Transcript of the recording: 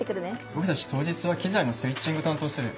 僕たち当日は機材のスイッチング担当するよ。